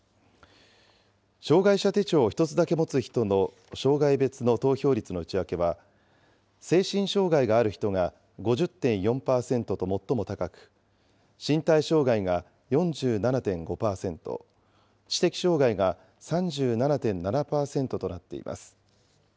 障害者手帳を１つだけ持つ人の障害別の投票率の内訳は、精神障害がある人が５０．４％と最も高く、身体障害が４７．５％、知的障害が３７．７％となっています。